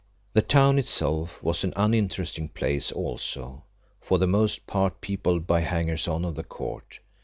The town itself was an uninteresting place also, for the most part peopled by hangers on of the Court.